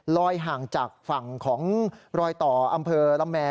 ห่างจากฝั่งของรอยต่ออำเภอละแม